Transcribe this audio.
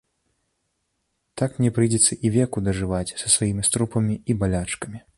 Так мне прыйдзецца і веку дажываць са сваімі струпамі і балячкамі.